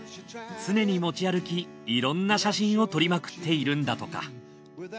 常に持ち歩きいろんな写真を撮りまくっているんだとか。